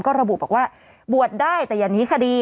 ก็ระบุบอกว่าบวชได้แต่อย่านี้คดี